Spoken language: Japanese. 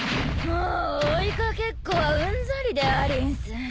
もう追い掛けっこはうんざりでありんす。